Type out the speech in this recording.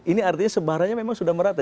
ini artinya sebarannya memang sudah merata